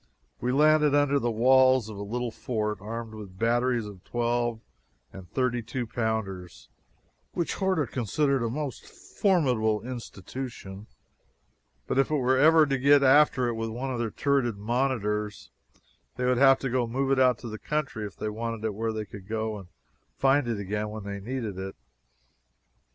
We landed under the walls of a little fort, armed with batteries of twelve and thirty two pounders, which Horta considered a most formidable institution, but if we were ever to get after it with one of our turreted monitors, they would have to move it out in the country if they wanted it where they could go and find it again when they needed it.